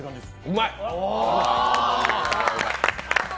うまい！